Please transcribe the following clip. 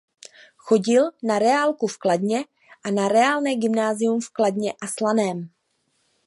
Chodil na reálku v Kladně a na reálné gymnázium v Kladně a Slaném.